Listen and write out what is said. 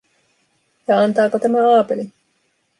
Ja antaako tämä Aapeli?